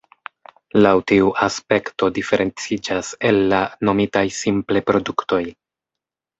Laŭ tiu aspekto diferenciĝas el la nomitaj simple produktoj.